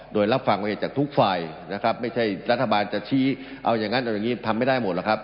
โดยรับฟังเหตุจากทุกฝ่ายนะครับไม่ใช่รัฐบาลจะชี้เอาอย่างนั้นเอาอย่างนี้ทำไม่ได้หมดหรอกครับ